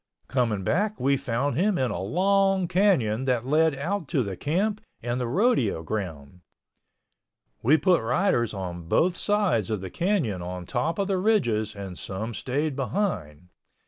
Coming back we found him in a long canyon that led out to the camp and the rodeo ground. We put riders on both sides of the canyon on top of the ridges and some stayed behind.